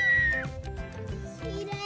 きれい。